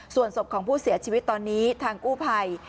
ส่วนศพของผู้เสียชีวิตตอนนี้ทางกู้ภัย